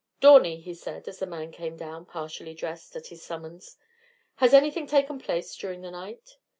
"Dawney," he said, as the man came down, partially dressed, at his summons, "has anything taken place during the night?"